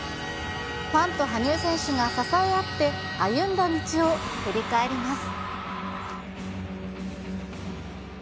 ファンと羽生選手が支え合って歩んだ道を振り返ります。